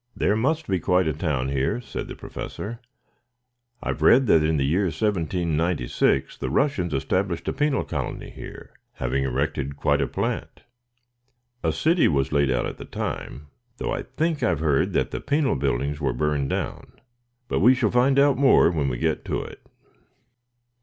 "There must be quite a town here," said the Professor. "I have read that in the year 1796 the Russians established a penal colony here, having erected quite a plant. A city was laid out at the time, though I think I have heard that the penal buildings were burned down. But we shall find out more when we get to it."